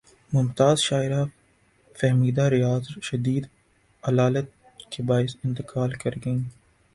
ممتاز شاعرہ فہمیدہ ریاض شدید علالت کے باعث انتقال کر گئیں